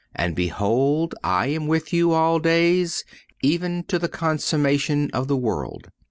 and behold I am with you all days, even to the consummation of the world."